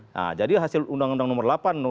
nah jadi hasil undang undang nomor delapan